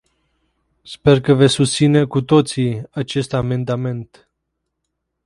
Sper că veți susține cu toții acest amendament.